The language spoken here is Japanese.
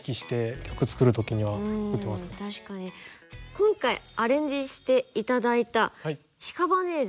今回アレンジして頂いた「シカバネーゼ」。